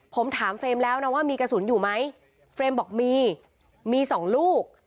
ผมถามเฟรมแล้วนะว่ามีกระสุนอยู่ไหมเฟรมบอกมีมีสองลูก